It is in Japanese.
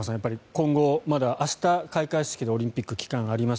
今後、まだ明日開会式でオリンピック期間、あります。